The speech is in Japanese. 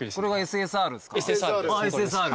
ＳＳＲ？